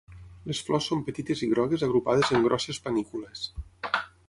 Les flors són petites i grogues agrupades en grosses panícules.